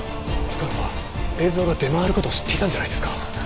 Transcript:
深野は映像が出回る事を知っていたんじゃないですか？